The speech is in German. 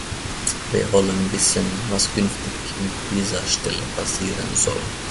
Wir wollen wissen, was künftig mit dieser Stelle passieren soll.